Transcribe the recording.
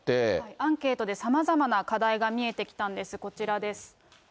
アンケートでさまざまな課題が見えてきたんです、こちらです。